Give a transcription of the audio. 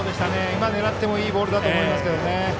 狙ってもいいボールだと思いますけどね。